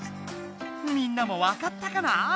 みんなもわかったかな？